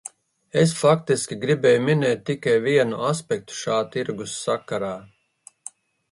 Es faktiski gribēju minēt tikai vienu aspektu šā tirgus sakarā.